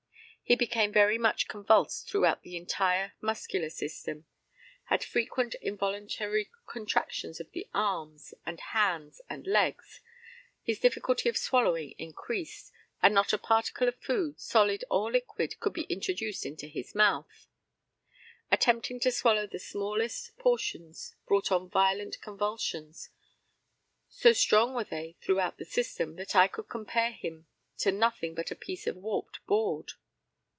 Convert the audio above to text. He became very much convulsed throughout the entire muscular system, had frequent involuntary contractions of the arms, and hands, and legs, his difficulty of swallowing increased, and not a particle of food, solid or liquid, could be introduced into the mouth. Attempting to swallow the smallest portions brought on violent convulsions; so strong were they throughout the system that I could compare him to nothing but a piece of warped board.